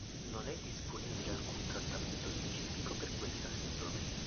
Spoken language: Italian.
Non è disponibile alcun trattamento specifico per questa sindrome.